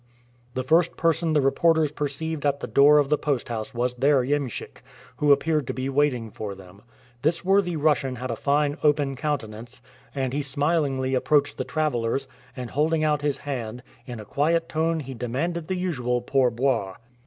The first person the reporters perceived at the door of the post house was their iemschik, who appeared to be waiting for them. This worthy Russian had a fine open countenance, and he smilingly approached the travelers, and, holding out his hand, in a quiet tone he demanded the usual "pour boire."